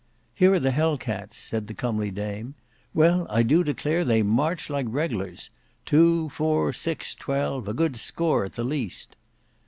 "Here are the Hell cats," said the comely dame. "Well I do declare they march like reglars; two, four, six, twelve; a good score at the least."